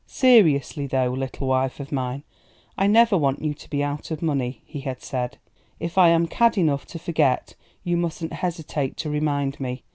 "Seriously, though, little wife of mine, I never want you to be out of money," he had said; "if I am cad enough to forget you mustn't hesitate to remind me.